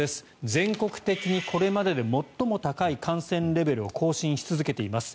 全国的にこれまでで最も高い感染レベルを更新し続けています。